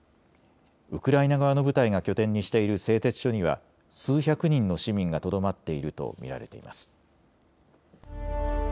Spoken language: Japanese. ウクライナ側の部隊が拠点にしている製鉄所には数百人の市民がとどまっていると見られています。